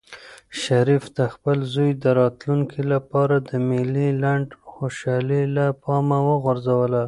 شریف د خپل زوی د راتلونکي لپاره د مېلې لنډه خوشحالي له پامه وغورځوله.